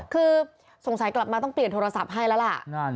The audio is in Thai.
คือสงสัยกลับมาต้องเปลี่ยนโทรศัพท์ให้แล้วล่ะ